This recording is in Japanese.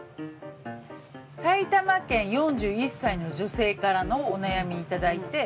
埼玉県４１歳の女性からのお悩みいただいて。